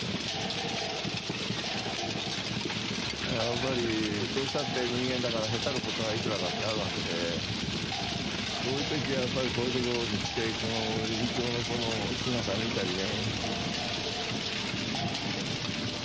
やっぱりどうしたって人間だからへたることはいくらだってあるわけでそういう時はこういうところに来てこのイチョウの姿見たりね。